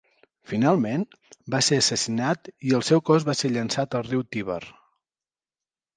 Finalment, va ser assassinat i el seu cos va ser llançat al riu Tíber.